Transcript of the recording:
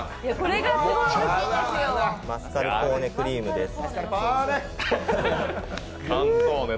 マスカルポーネクリームです。